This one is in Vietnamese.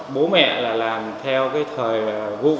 bố mẹ làm theo thời vụ đi làm thuê địa phương